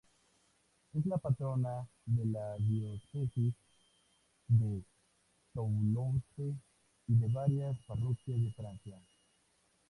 Es la patrona de la Diócesis de Toulouse y de varias parroquias de Francia.